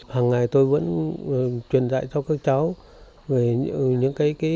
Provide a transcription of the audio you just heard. hằng ngày tôi vẫn truyền dạy cho các cháu